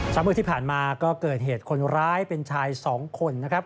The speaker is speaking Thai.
เมื่อที่ผ่านมาก็เกิดเหตุคนร้ายเป็นชายสองคนนะครับ